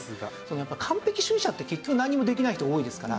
やっぱ完璧主義者って結局何もできない人多いですから。